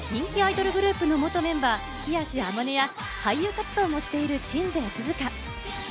人気アイドルグループの元メンバー・月足天音や俳優活動もしている鎮西寿々歌。